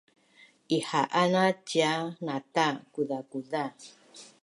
Ihaan a cia nata’ kuzakuza